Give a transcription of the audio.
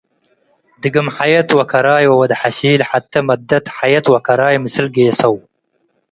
ድግም ሐየት ወከራይ ወወድ-ሐሺል ሐቴ መደት፡ ሐየት ወከራይ ምስል ጌሰው።